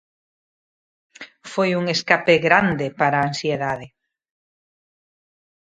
"Foi un escape grande para a ansiedade".